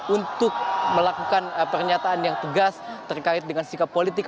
untuk melakukan pernyataan yang tegas terkait dengan sikap politik